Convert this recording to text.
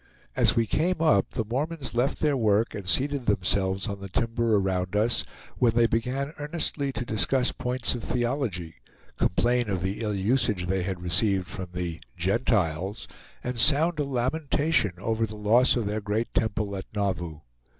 As we came up the Mormons left their work and seated themselves on the timber around us, when they began earnestly to discuss points of theology, complain of the ill usage they had received from the "Gentiles," and sound a lamentation over the loss of their great temple at Nauvoo.